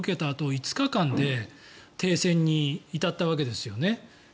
あと５日間で停戦に至ったわけですよね。